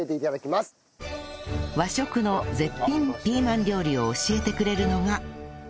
和食の絶品ピーマン料理を教えてくれるのが